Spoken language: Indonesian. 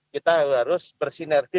kita harus bersinergi